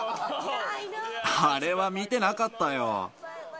あれは見てなかったよ。